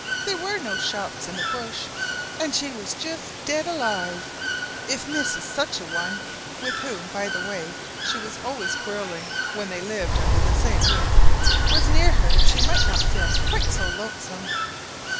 _ there were no shops in the bush, and she was just dead alive. If Mrs. Such a one (with whom, by the way, she was always quarrelling when they lived under the same roof) was near her she might not feel quite so lonesome."